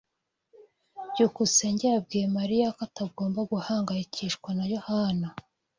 byukusenge yabwiye Mariya ko atagomba guhangayikishwa na Yohana.